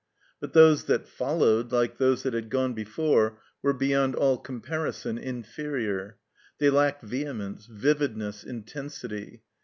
But those that followed, like those that had gone before, were be 3rond all comparison inferior. They lacked vehe mence, vividness, intensity.